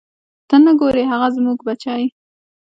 ته نه ګورې هغه زموږ بچی.